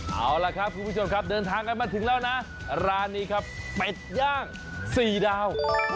เอาล่ะครับคุณผู้ชมครับเดินทางกันมาถึงแล้วนะร้านนี้ครับเป็ดย่าง๔ดาว